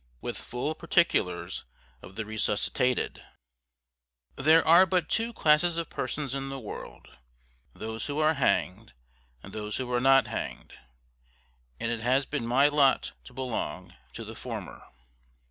WITH FULL PARTICULARS OF THE RESUSCITATED. "There are but two classes of persons in the world those who are hanged, and those who are not hanged; and it has been my lot to belong to the former."